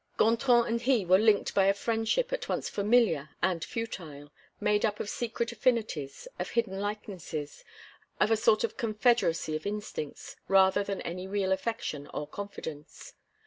Gontran and he were linked by a friendship at once familiar and futile, made up of secret affinities, of hidden likenesses, of a sort of confederacy of instincts, rather than any real affection or confidence.